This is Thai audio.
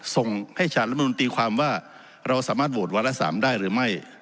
ส่งให้สารรัฐมนุนตีความว่าเราสามารถโหวตวาระ๓ได้หรือไม่